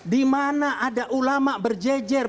di mana ada ulama berjejer